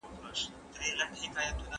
د حکومتي شمېرو له مخې